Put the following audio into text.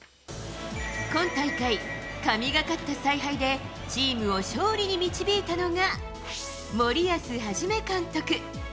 今大会、神がかった采配でチームを勝利に導いたのが森保一監督。